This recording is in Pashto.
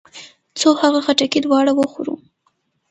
څو هغه خټکي دواړه وخورو.